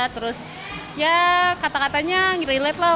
terus ya kata katanya nge relate lah